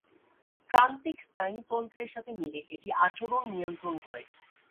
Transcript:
প্রান্তিক স্নায়ুতন্ত্রের সাথে মিলে এটি আচরণ নিয়ন্ত্রণ করে।